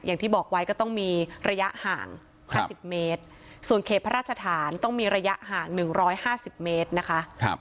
อย่างที่บอกไว้ก็ต้องมีระยะห่าง๕๐เมตรส่วนเขตพระราชฐานต้องมีระยะห่าง๑๕๐เมตรนะคะ